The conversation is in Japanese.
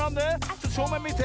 ちょっとしょうめんみて！